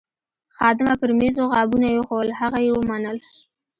خادمه پر میزو غابونه ایښوول، هغه یې ومنل.